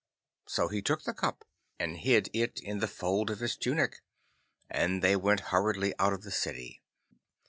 So he took the cup and hid it in the fold of his tunic, and they went hurriedly out of the city.